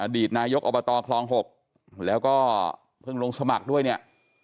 ดีตนายกอบตคลอง๖แล้วก็เพิ่งลงสมัครด้วยเนี่ย